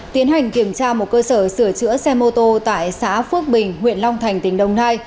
tiến hành kiểm tra một cơ sở sửa chữa xe mô tô tại xã phước bình huyện long thành tỉnh đồng nai